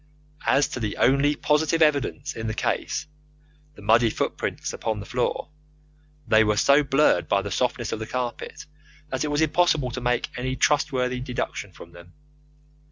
As to the only positive evidence in the case the muddy footmarks upon the floor they were so blurred by the softness of the carpet that it was impossible to make any trustworthy deduction from them.